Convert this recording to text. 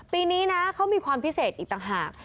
ปีนี้นะเขามีความพิเศษอีกต่างหาก